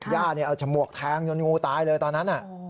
ญาติเนี่ยเอาฉมวกแทงยนต์งูตายเลยตอนนั้นน่ะ